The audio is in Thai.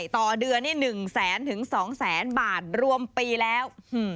ต่อเดือนนี่๑แสนถึง๒แสนบาทรวมปีแล้ว